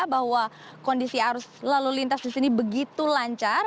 bahwa kondisi arus lalu lintas di sini begitu lancar